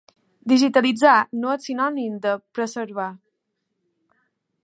Digitalitzar no és sinònim de preservar.